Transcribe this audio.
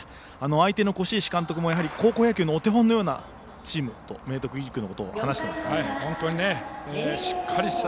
相手の輿石監督も高校野球のお手本のようなチームと明徳義塾のことを話していました。